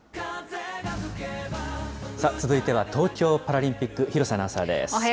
続いては東京パラリンピック、廣瀬アナウンサーです。